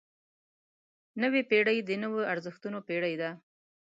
نوې پېړۍ د نویو ارزښتونو پېړۍ ده.